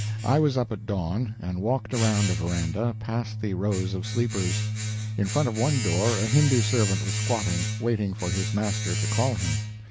I was up at dawn, and walked around the veranda, past the rows of sleepers. In front of one door a Hindoo servant was squatting, waiting for his master to call him.